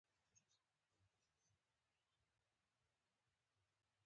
هغه هم یوه ورځ په لیلیه کې پروګرامونه لیکل